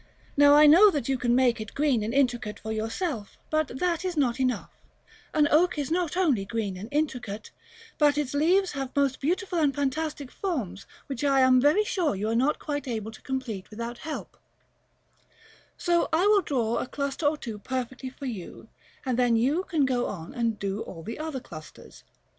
Now I know that you can make it green and intricate for yourself, but that is not enough: an oak is not only green and intricate, but its leaves have most beautiful and fantastic forms which I am very sure you are not quite able to complete without help; so I will draw a cluster or two perfectly for you, and then you can go on and do all the other clusters.